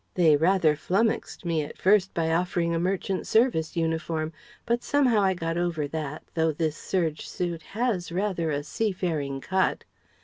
They rather flummoxed me at first by offering a merchant service uniform, but somehow I got over that, though this serge suit has rather a sea faring cut.